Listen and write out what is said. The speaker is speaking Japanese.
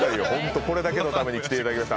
これだけのために来ていただきました。